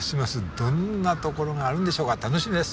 どんなところがあるんでしょうか楽しみです。